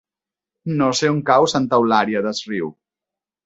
No sé on cau Santa Eulària des Riu.